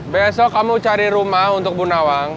besok kamu cari rumah untuk bu nawang